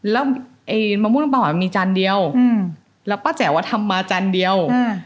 แล้วไอ้มะม่วงน้ำเปล่ามันมีจานเดียวแล้วป้าแจ๋วว่าทำมาจานเดียว